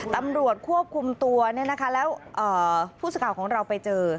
ตำรวจควบคุมตัวแล้วผู้สื่อข่าวของเราไปเจอ